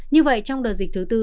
như vậy trong đợt dịch thứ bốn